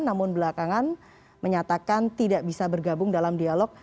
namun belakangan menyatakan tidak bisa bergabung dalam dialog